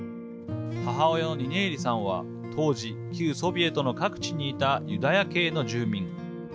母親のニネーリさんは当時、旧ソビエトの各地にいたユダヤ系の住民。